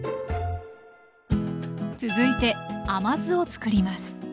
続いて甘酢を作ります。